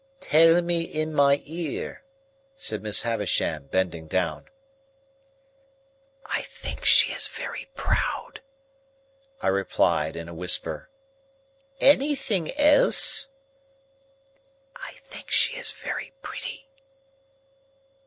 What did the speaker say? "Tell me in my ear," said Miss Havisham, bending down. "I think she is very proud," I replied, in a whisper. "Anything else?" "I think she is very pretty."